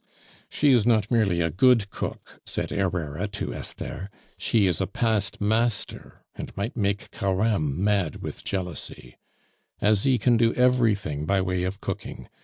"She is not merely a good cook," said Herrera to Esther; "she is a past master, and might make Careme mad with jealousy. Asie can do everything by way of cooking.